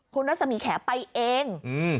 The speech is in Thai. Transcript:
คุณรัศมีแขไปเอง